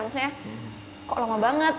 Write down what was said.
maksudnya kok lama banget